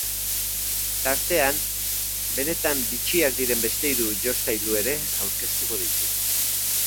Tartean, benetan bitxiak diren beste hiru jostailu ere aurkeztuko ditu.